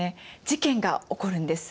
事件が起こるんです。